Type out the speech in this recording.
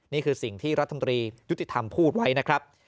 นี่คือสิ่งที่รัฐมนตรียุติธรรมพูดไว้นะครับ